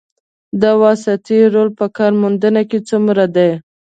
د واسطې رول په کار موندنه کې څومره دی؟